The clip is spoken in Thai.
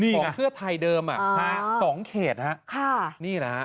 นี่น่ะเพื่อไทยเดิมน่ะอ๋อฮะสองเขตฮะค่ะนี่นะ